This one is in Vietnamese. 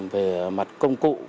về mặt công cụ của công ty